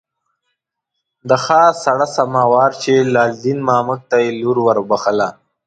د ښار څړه سما وارچي لال دین مامک ته یې لور ور وبخښله.